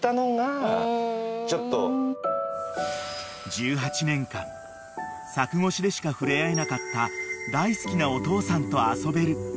［１８年間柵越しでしか触れ合えなかった大好きなお父さんと遊べる］